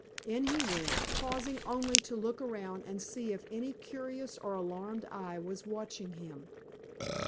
In he went, pausing only to look around and see if any curious or alarmed eye was watching him.